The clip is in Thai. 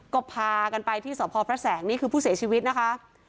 ก็พากันไปที่สพพระแสงนี่คือผู้เสียชีวิตนะคะ